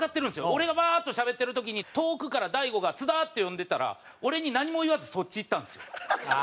俺がバーッとしゃべってる時に遠くから大悟が「津田」って呼んでたら俺に何も言わずそっち行ったんですよ。